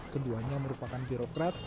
keduanya merupakan birokrat